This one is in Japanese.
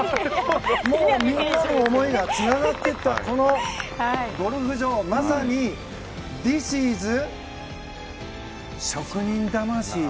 もうみんなの思いがつながっていったこのゴルフ場まさにＴｈｉｓｉｓ職人魂。